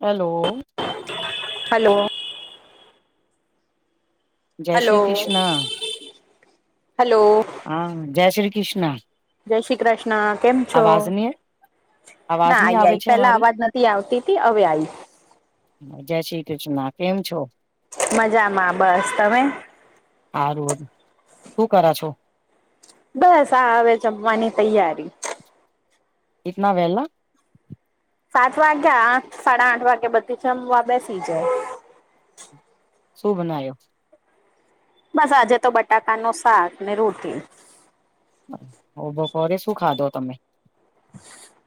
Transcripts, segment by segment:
Hello hello. જય Shri hello Krishna hello હા જય શ્રી કૃષ્ણ જય શ્રી કૃષ્ણ કેમ છો અવાજની અવાજ ના ની આ આવે આઈ છે પેલા મારી અવાજ નથી આવતી થી હતી હવે આઈ જય શ્રી કૃષ્ણ કેમ છો મજામાં બસ તમે હારુ શું કર છો. બસ આ હવે જમવાની તૈયારી. એટના વહેલા સાત વાગ્યા આઠ સાડા આઠ વાગ્યા બધી છ જમવા બેસી જય શું બનાયો બસ આજે તો બટાકા નું શાક ને રોટલી. અ બપોરે શું ખાધો તમે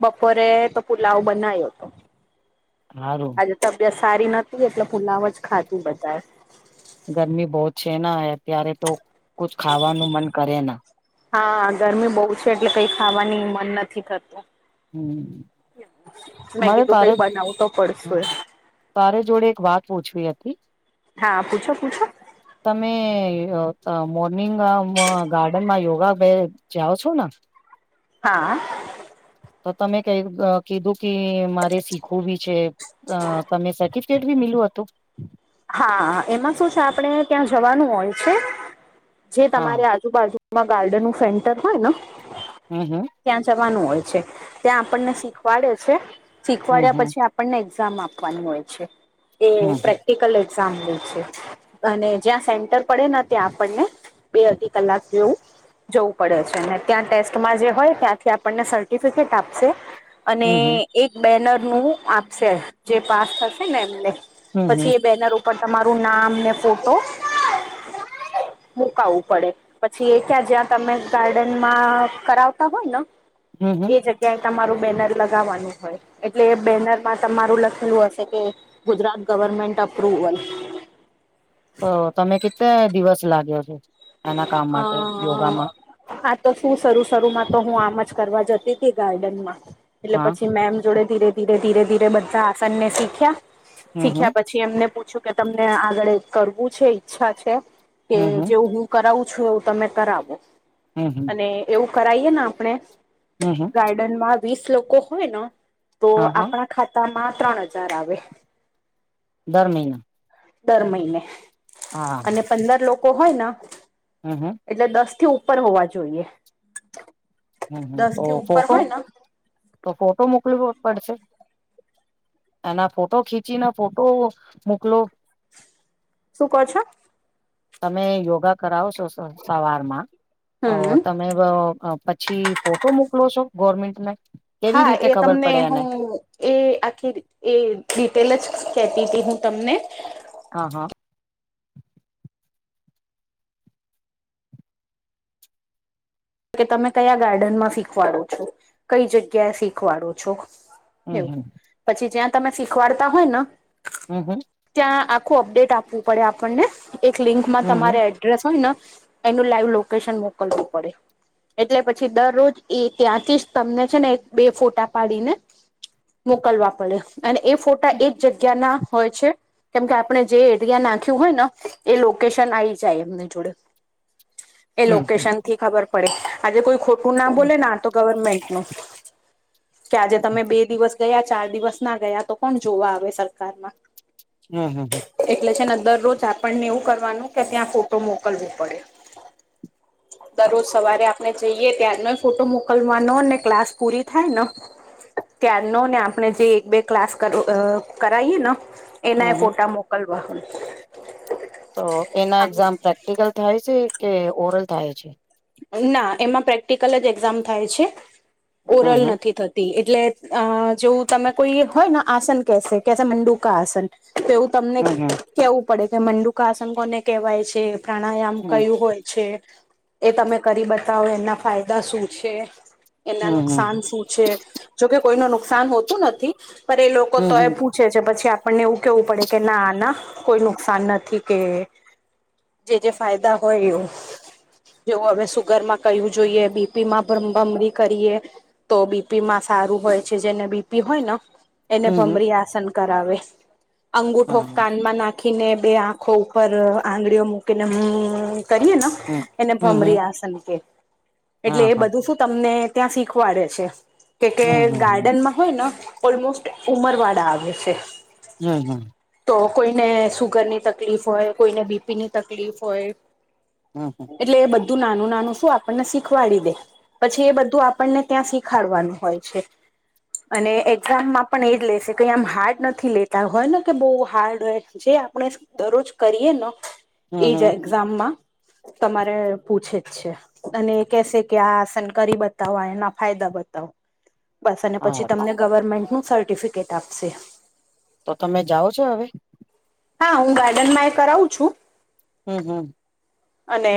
બપોરે તો પુલાવ બનાયો તો. હા રું. આજે તબિયત સારી નથી એટલે ફુલાવ જ ખાતું બધા એ ગરમી બહુ જ છે ને અત્યારે તો કુછ ખાવાનું મન કરે ના. હા ગરમી બહુ છે એટલે કઈ ખાવાની મન નથી થતું. હમ મે મારે કીધું તારે કઈ બનાવું તો પડશે. તારે જોડે એક વાત પૂછવી હતી. હા પૂછો પૂછો. તમે મોર્નિંગ ગાર્ડન માં યોગા કે ય જાઓ છો ને. હા. તો તમે કંઈક કીધું કે મારે શીખવું બી છે તમે કફટ બી મેલુ હતું. હા એમાં શું છે આપણે ત્યાં જવાનું હોય છે જે હા તમારે બાજુ માં ગાર્ડન નું સેન્ટર હોય ને હમ હમ ત્યાં જવાનું હોય છે. ત્યાં આપણને શીખવાડે છે. હમ શીખવાડ્યા હમ પછી આપણને એક્ઝામ આપવાની હોય છે એ હમ પ્રેક્ટિકલ એક્ઝામ હોય છે. અને જ્યાં સેન્ટર પડેને ત્યાં આપણને બે અઢી કલાક જેવુ. જવું પડે છે ત્યાં ટેસ્ટમાં જે હોય ત્યાંથી આપણને સર્ટિફિકેટ આપશે. અને હમ હમ એક બેનર નું આપશે જે પાસ થશે ને એમને હમ હમ પછી એ બેનર ઉપર તમારું નામ ને ફોટો મુકાવું પડે પછી એ ત્યાં જ્યાં તમે ગાર્ડનમાં કરાવતા હોય ને હમ હમ એ જગ્યા ક્યાંય તમારું બેનર લગાવવાનું હોય એટલે એ બેનર માં તમારું લખેલું હશે કે ગુજરાત ગવર્મેન્ટ અપ્રુવલ તો તમે કેટલા દિવસ લાગ્યો છો એના કામ માટે યોગામાં હા તો શું શરૂ શરૂમાં તો હું આમ જ કરવા જતી હતી ગાર્ડનમાં એટલે હા પછી મેમ જોડે ધીરે ધીરે ધીરે ધીરે બધા આસનને શીખ્યા હમ શીખ્યા હમ પછી પછી એમને પૂછું કે તમને આગળ કરવું છે ઈચ્છા છે કે હમ હમ જેવ હું કરાવું છું એવું તમે કરાવો હમ હમ અને એવું કરાવએ ને આપણે હમ હમ ગાર્ડનમાં વીસ લોકો હોયને તો હા હા આપણા ખાતા તામાં ત્રણ હજાર આવે દર મહિના દર મહિને હા અને પંદર લોકો હોય ન હહ હહ એટલે દસથી ઉપર હોવા જોઈએ. હમ હમ દસ ઓ થી ઉપર ફોટો હોય ને તો ફોટો મોકલવો પડશે? એના ફોટો ખીચીને ફોટો મોકલો શું કો છો. તમે યોગા કરાવો છો સવારમાં તો હમ ત તમે પછી ફોટો મોકલો છો ગવર્મેન્ટને કેવી હા રીતે એ ખબર તમને પડે એને હું એ આખી એ રિટેલ જ કેતી હતી હું તમને હા હા. કે તમે કયા ગાર્ડનમાં શીખવાડો છો કઈ જગ્યાએ શીખવાડો છો હમ એવું હમ પછી જ્યાં તમે શીખવાડતા હોય ન હમ હમ ત્યાં આખું અપડેટ આપવું પડે આપણને એક લિંકમાં હમ હમ તમારે એડ એડ્રેસ હોય ન એનું લાઈવ લોકેશન મોકલવું પડે. એટલે પછી દરરોજ એ ત્યાંથી જ તમને છે ને એક બે ફોટા પાડીને. મોકલવા પડે. અને એ ફોટા એ જ જગ્યાના હોય છે. કેમ કે આપણે જે એરિયા નાખ્યું હોય ન એ લોકેશન આઈ જાય એમની જોડે. એ હમ હમ લોકેશનથી ખબર પડે. આજે કોઈ ખોટું ના હમ બોલે ને આતો ગવર્મેન્ટનું કે આજે તમે બે દિવસ ગયા ચાર દિવસ ના ગયા તો કોણ જોવા આવે સરકારમાં? હહ હહ હહ. એટલે છે ને દરરોજ આપણને એવું કરવાનું કે ત્યાં ફોટો મોકલવું પડે. હમ દરોજ સવારે આપણે જઈએ ત્યારનો એ ફોટો મોકલવાનો ને ક્લાસ પૂરી થાય ન ત્યારનો ને આપણે જે એક બે ક્લાસ કર કરાઈ એન હમ એના એ હમ ફોટા મોકલવા પડે. તો એના એક્ઝામ પ્રેક્ટિકલ થાય છે કે ઓરલ થાય છે? ના એમાં પ્રેક્ટિકલ જ એક્ઝામ થાય છે. હમ ઓરલ હમ નથી થત તી એટલે અ જેવું તમે કોઈ હોયને આસન કેશે કેસે મંડુકા આસન તો એવું તમને હમ કેહવું પડે કે મંડુકા આસન કોને કહેવાય છે? પ્રાણાયામ હમ કયું હોય છે? એ તમે કરી બતાવો. એના ફાયદા શું છે? એના હમ હમ નુકસાન હમ શું છે? જોકે કોઈનું નુકસાન હોતું નથી પણ એ લોકો તોય હમ હમ પૂછ છે છે પછી આપણને એવું કેવું પડે કે નાના કોઈ નુકસાન નથી કે જે જે ફાયદા હોય એવું. જેવું હવે સુગરમાં કયું જોઈએ, બીપી માં ભમભમડી કરીએ. તો બીપીમાં સારું હોય છે જેને બીપી હોય ન એને હમ હમ ભમરી આસન કરાવે. અંગુઠો હા કાનમાં નાખ ખીને બે આંખો ઉપર આંગળીઓ મૂકીને અમ કરીએ ને હમ એને હમ હમ ભમરી આસન કે. એટલે હા એ હા બધું શું તમને ત્યાં શીખવાડે છે. કે કે હમ હમ હમ ગાર્ડનમાં હોય ન ઓલમોસ્ટ ઉંમરવાળા આવે છે. હમ હમ તો કોઈને સુગરની તકલીફ હોય, કોઈને બીપીની તકલીફ હોય. હમ હમ એટલે એ બધું નાનું નાનું શું આપણને શીખવાડી દે. પછી એ બધું આપણને ત્યાં શીખાડવાનું હોય છે. અને એક્ઝામમાં પણ એજ લેશે કઈ આમ હાર્ડ નથી લેતા હોય ને કે બહુ હાર્ડ હોય. જે આપણે દરરોજ કરીએ ન હમ એજ હમ એક્ઝામમાં તમારે પૂછે જ છે. અને કેશે કે આ આસન કરી બતાવો આ એના ફાયદા બતાવો. બસ અને પછી હા તમને ગવર્મેન્ટનું સર્ટિફિકેટ આપશે. તો તમે જાઓ છો હવે? હા હું ગાર્ડન માં એ કરાવું છું. હમ હમ. અને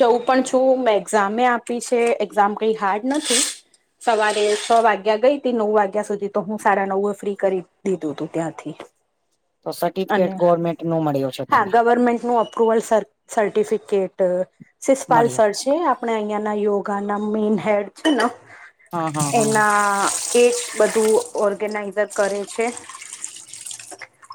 જઉં પણ છું, મેં એક્ઝામે આપી છે, એક્ઝામ કઈ હાર્ડ નથી. સવારે છ વાગ્યા ગઈતી નવ વાગ્યા સુધી તો હું સાડા નવે ફ્રી કરી દીધું તું ત્યાંથી તો અને સર્ટિફિકેટ ગવર્મેન્ટ નો મળ્યો છે હા તમે ગવર્મેન્ટનું અપ પ્રુવલ સર સર્ટિફિકેટ સિસ્પાલ મળ્યો સર છે. જે આપણે અહિયાં ના યોગા ના મેન હેડ છેનો હા હા હા એના કેક બધું ઓર્ગેનાઈઝર કરે છે.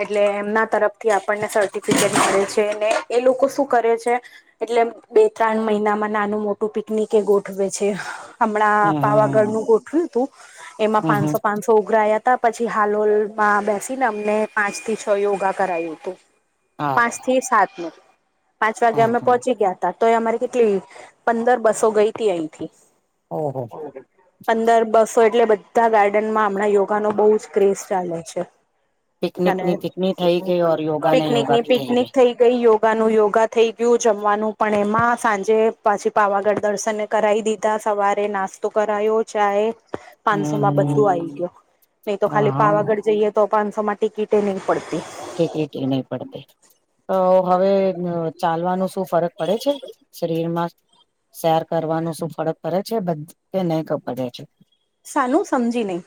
એટલે એમના તરફથી આપણને સર્ટિફિકેટ મળે છે ને એ લોકો શું કરે છે. એટલે બે ત્રણ મહિનામાં નાનું મોટું પિકનિક એ ગોઠવે છે. હમ હમણાં પાવાગઢ હમ નું ગોઠવ્યું હતું એમાં હમ હમ પાંચસો પાંચસો છોઘરાયા હતા પછી હાલોલમાં બેસીને અમને પાંચ થી છ યોગા કરાયું હતું. હારું પાંચથી સાત ન પાંચ વાગે હમ અમે હમ પોહોંચી ગયા. તો એ અમારી કેટલી પંદર બસો ગઈ હતી અહીંથી ઓહ. પંદર બસો એટલે બધા ગાર્ડનમાં હમણાં યોગાનોો બહુ જ ક્રેઝ ચાલે છે. પિકનિક અને ની પિકનિક થઈ ગઈ ઓર યોગા ને યોગા પિકનિકની ભી પિકનિક થઈ. ગઈ યોગાનુંું યોગા થઈ ગયું જમવાનું પણ એમાં સાંજે પાછી પાવાગઢ દર્શન કરાવ દીધા સવારે નાસ્તો કરાયો ચાહે પાંચસો હમ માં હમ બધું આવી ગયું નહી તો હા ખાલી હા પાવાગઢ જઈએ તો પાંચસો માં ટિકિટ નહી પડતી. કે નહી પડતે તો હવે ચાલવાનું શું ફરક પડે છે શરીરમાં? શેર કરવાનું શું ફરક પડે છે બધ નહી પડે છે. સાનું સમજી નહી.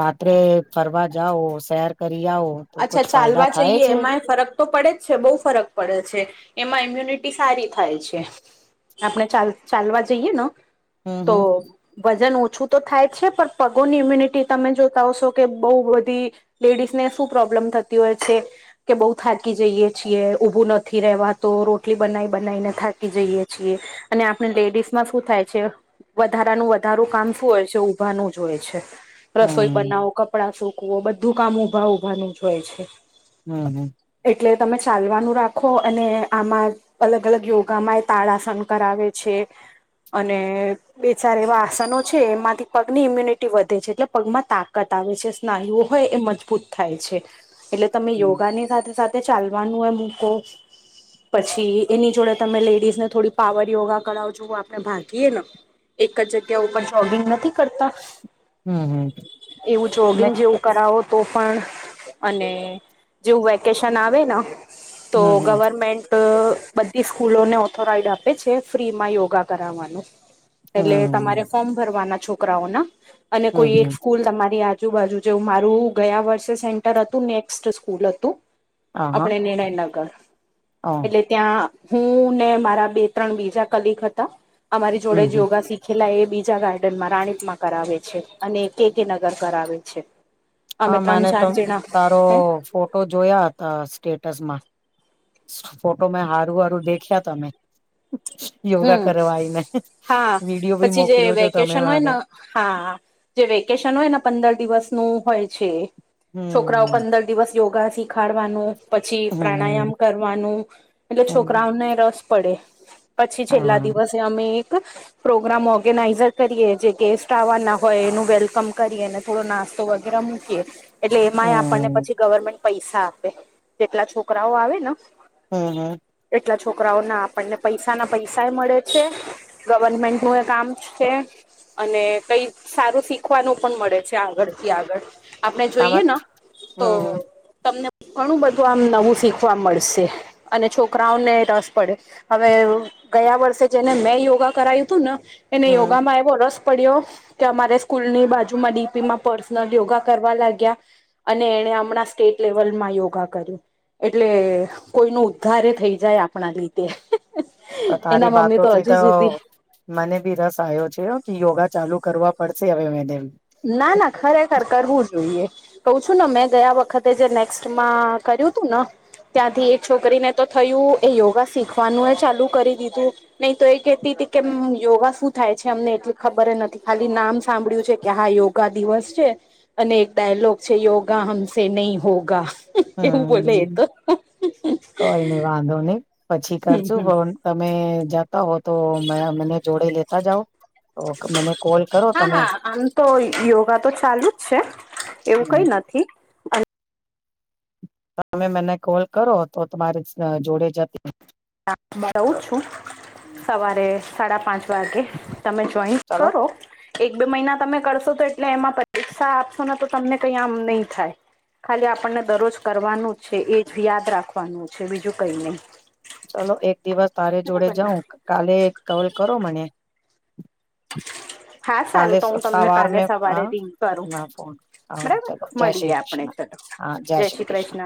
રાત્રે ફરવા જાઓ શેર કરી આવો. તો અચ્છા કુછ ફાયદા ચાલવા થાય જઈએ છે એમાંય ફરક તો પડે જ છે બહુ ફરક પડે છે એમાં ઈમ્યુનિટી સારી થાય છે. આપણે ચાલ ચાલવા જઈએ ને હમ તો હમ વજન ઓછું તો થાય છે પણ પગોની ઇમ્યુનિટી તમે જોતા હોશો કે બહુ બધી લેડીઝને શું પ્રોબ્લેમ થતી હોય છે. કે બઉુ થાકી જઈએ છીએ ઊભું નથી રહેવા તો રોટલી બનાવી બનાવીને થાકી જઈએ છીએ. અને આપણે લેડીઝમાં શું થાય છે. વધારાનું વધારું કામ શું હોય છે ઊભાનું જ હોય છે. રસોઈ હમ બનાવો કપડાં સુકવો બધું કામ ઊભા ઊભાનું જ હોય છે. હમ હમ. એટલે તમે ચાલવાનું રાખો અને આમાં અલગ અલગ યોગામાં એ તાળાસન કરાવે છે અને બેસાર એવા આસનો છે એમાંથી પગની ઇમ્યુનિટી વધે છે એટલે પગમાં તાકાત આવે છે. નાું હોય એ મજબૂત થાય છે એટલે તમે હમ યોગાની સાથે સાથે તે ચાલવાનું હો હું કહ પછી એની જોડે તમે લેડીઝ ને થોડી પાવર યોગા કરાવજ આપણે ભાગીએે ને એક જ જગ્યા ઉપર જોગિંગ નથી કરતા હમ હમ હમ એવું મે જોગિંગ જેવું કરાવો તો પણ અને જેવું વેકેશન આવે ને તો હમ હમ ગવર્મેન્ટ બધી સ્કૂલોને ઓથોરાઈડ આપે છે ફ્રીમાં યોગા કરાવવાનું એટલે હમ તમારે ફોર્મ ભરવાના છોકરાઓના અને કોઈ હમ એક હમ સ્કૂલ તમારી આજુ બાજુ જેું મારું ગયા વર્ષે સેન્ટર હતું નેક્સ્ટ સ્કૂલ હતું આ હા આપણે નિર્ણય ના કર એટલે ત્યાં હું ને મારા બે ત્રણ બીજા કલિક હતા અમારી હમ જોડે જ હમ યોગા શીખ ખેલા એ બીજા ગાર્ડનમાં રાણીપ માં કરાવે છે. અને કે કે નગર કરાવે છે. અમે હા ત્રણ મેને તો ચાર જણા તારો હે ફોટો જોયા હતા સ્ટેટસમાં. ફોટો મેં હારું હારું દેખ્યા તમે યોગા હમ કરવા આવીને હા વિડીિયો બી પછી જે મોકલ્યો છો તમે વેકેશન હોય ને મને હા જે વેકેશન હોય એના પંદર દિવસનુંું હોય છે છોકરાઓ હમ પંદર દિવસ યોગા શીખાડવાનું પછી પ્રાણાયામ હમ કરવાનું એટલે હમ છોકરાઓને રસ પડે પછી છેલ્લા હા દિવસે અમે એક પ્રોગ્રામ ઓર્ગેનાઇઝર કરીએ જે ગેસ્ટ આવવાના હોય એનું વેલકમ કરીએ અને થોડો નાસ્તો વગેરે હ [inaudible] એટલે એમાંય આપણને હમ પછી ગવર્મેન્ટ પૈસા આપે જેટલા છોકરાઓ આવે ને હમ હમ એટલા છોકરાઓ ના આપણને પૈસા ના પૈસાય મળે છે. ગવર્મેન્ટ નું એ કામ છે. અને કઈ સારું શીખવાનું પણ મળે છે. આગળ થી આગળ- આપણે જોઈએ આમાં તો હમ તમને ઘણું બધું આમ નવું શીખવા મળશે અને છોકરાઓને રસ પડે હવે ગયા વર્ષે જેને મેં યોગા કરાયું હતું ને એને હમ યોગામાં એવો રસ પડ્યો કે અમારે સ્કૂલ ની બાજુમાં ડીપી માં પર્સનલ યોગા કરવા લાગ્યા- અને એણે હમણાં સ્ટેટ લેવલમાં યોગા કર્યું. એટલે કોઈ ન ઉદ્ધાર થઈ જાય આપણા લીધે- તો એના તારી મમ્મી બાતોથી હજુ સુધી તો- મને બી રસ આવ્યો છે. કે યોગા ચાલુ કરવા પડશે હવે મેને- ના ના ખરેખર કરવું જોઈએ. કઉ છું ને મેં ગયા વખતે જે નેક્સ્ટમાં કર્યું હતું ને -ત્યાંથી એક છોકરીને તો થયું એ યોગા શીખવાનું એ ચાલુ કરી દીધું- નહી તો એ કેહેતી હતી કે યોગા શું થાય છે. અમને એટલી ખબર નથી ખાલી નામ સાંભળ્યું છે. કે હા યોગા દિવસ છે અને એક ડાયલોગ છે. યોગા હમસે નહીિ હોગ- એવું બોલે એ હમ તો. કઈ નઈ વાંધો નહી પછી કરશું પણ તમે જાતા હો તો મે અને જોડે લેતા તતા જાાવ [inaudible] હા હા આમ તો યોગા તો ચાલુ જ છે. એવું કઈ તમે નથી- હ [inaudible] તમે મને કોલ કરો તો તમારી જોડે જતી- રહઉ છું સવારે સાડા પાંચ વાગે- તમે જોઈન ચલો કરો એક બે મહિના તમે કરશો તો એટલે એમાં પરીક્ષા આપશો ને તો તમને કઈ આમ નહી થાય ખાલી આપણને દરરોજ કરવાનું જ છે એ જ યાદ રાખવાનું છે. બીજું કઈ નહીિ ચલો એક દિવસ તારે જોડે ને જાઉં કાલે કલ કરો મને હા સારું તો હું તમને કાલેસફતાવાર કાલે મે સવારે રિંગ કરું હા ફોન હા બરાબર ચાલલો જય શ્રી મળીએ આપણે કૃષ્ણ. ચલો હા જય શ્રી કૃષ્ણ.